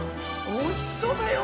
おいしそうだよ。